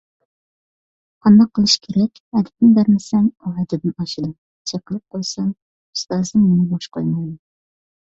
قانداق قىلىش كېرەك، ئەدىپىنى بەرمىسەم، ئۇ ھەددىدىن ئاشىدۇ، چېقىلىپ قويسام، ئۇستازىم مېنى بوش قويمايدۇ.